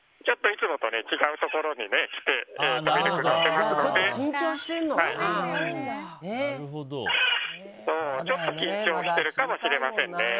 ちょっといつもと違うところに来てね。